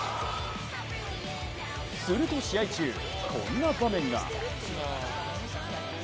すると試合中、こんな場面が。